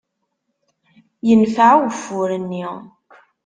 Yenfeε ugeffur-nni.